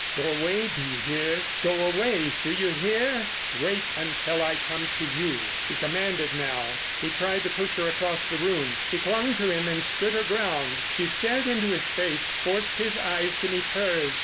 "Go away, do you hear! Go away, do you hear! Wait until I come to you." He commanded now. He tried to push her across the room. She clung to him and stood her ground. She stared into his face, forced his eyes to meet hers.